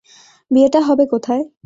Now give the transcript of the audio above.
বিয়েটা হবে কোথায়?